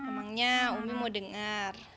namanya umi mau dengar